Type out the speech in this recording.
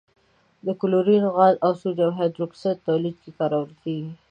د کلورین غاز او سوډیم هایدرو اکسایډ تولید کې کارول کیږي.